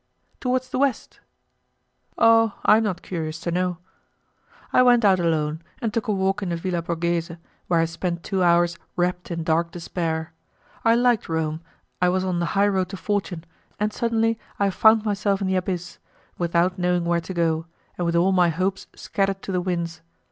"Towards the west." "Oh! I am not curious to know." I went out alone and took a walk in the Villa Borghese, where I spent two hours wrapped in dark despair. I liked Rome, I was on the high road to fortune, and suddenly I found myself in the abyss, without knowing where to go, and with all my hopes scattered to the winds.